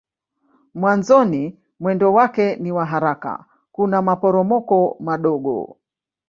Mwanzoni mwendo wake ni wa haraka kuna maporomoko madogo.